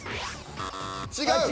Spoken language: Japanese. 違う。